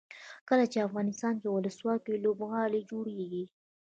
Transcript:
کله چې افغانستان کې ولسواکي وي لوبغالي جوړیږي.